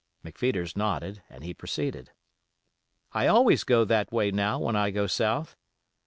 McPheeters nodded, and he proceeded: "I always go that way now when I go South.